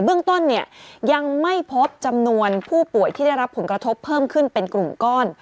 เบื้องต้นเนี่ยยังไม่พบจำนวนผู้ป่วยที่ได้รับผลกระทบเพิ่มขึ้นเป็นกลุ่มก้อน